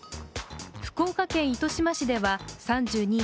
福岡県糸島市では、３２．６度。